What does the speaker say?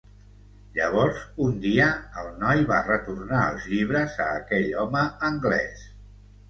Llavors, un dia, el noi va retornar els llibres a aquell home anglès.